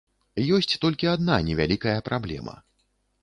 Ёсць толькі адна невялікая праблема.